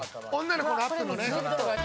女の子のアップのね。